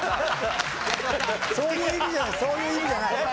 そういう意味じゃないそういう意味じゃない。